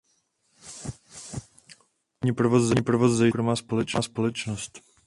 Původně provoz zajišťovala soukromá společnost.